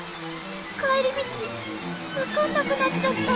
帰り道分かんなくなっちゃった。